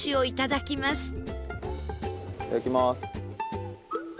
いただきます。